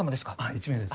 １名です。